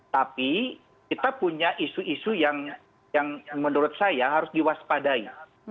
tapi kita punya isu isu yang menurut saya harus diwaspadai